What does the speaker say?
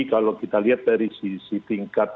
kalau kita lihat dari sisi tingkat